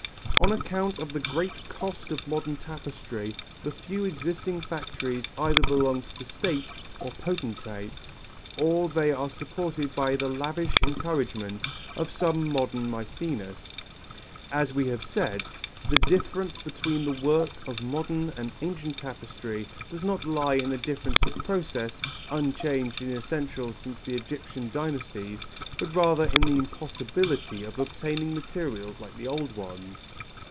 On account of the great cost of modern tapestry the few existing factories either belong to the State or potentates, or they are supported by the lavish encouragement of some modern Mæcenas. As we have said, the difference between the work of modern and ancient tapestry does not lie in a difference of process, unchanged in essentials since the Egyptian dynasties, but rather in the impossibility of obtaining materials like the old ones.